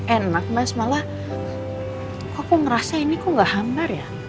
enak mas malah aku ngerasa ini kok gak hambar ya